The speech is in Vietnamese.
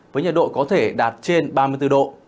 với nhiệt độ có thể đạt trên ba mươi bốn độ